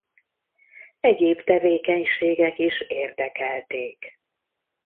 Egyéb tevékenységek is érdekelték.